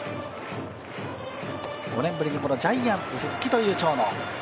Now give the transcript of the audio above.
５年ぶりにジャイアンツ復帰という長野。